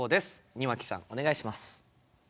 庭木さんお願いします。